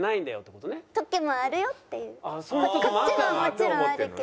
こっちももちろんあるけど。